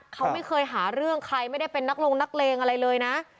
เขาไม่เคยหาเรื่องใครไม่ได้เป็นนักลงนักเลงอะไรเลยนะ